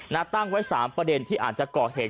ตั้งไว้๓ประเด็นที่อาจจะก่อเหตุ